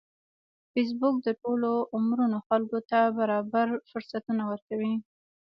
فېسبوک د ټولو عمرونو خلکو ته برابر فرصتونه ورکوي